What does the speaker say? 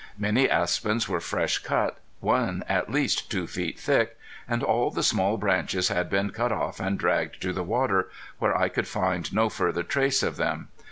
Many aspens were fresh cut, one at least two feet thick, and all the small branches had been cut off and dragged to the water, where I could find no further trace of them.